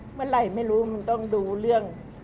เมื่อไหร่ไม่รู้มันต้องดูเรื่อง